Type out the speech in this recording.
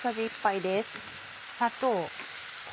砂糖。